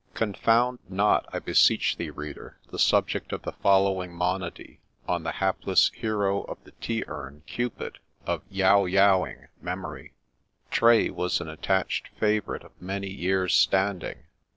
Confound not, I beseech thee, reader, the subject of the following monody with the hapless hero of the tea urn, Cupid, of ' Yow Yow ' ing memory. Tray was an attached favourite of many years' standing.